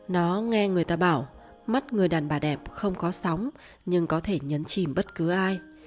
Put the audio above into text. nó nghe người ta bảo mắt người đàn bà đẹp không có sóng nhưng có thể nhấn chìm bất cứ ai